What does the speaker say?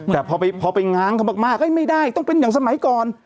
แต่พอไปง้างเขามากไม่ได้ต้องเป็นอย่างสมัยก่อน